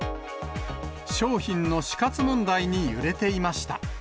商品の死活問題に揺れていました。